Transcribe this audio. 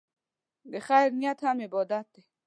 د خیر نیت هم عبادت دی.